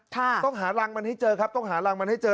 ต้องหารังมันให้เจอครับต้องหารังมันให้เจอ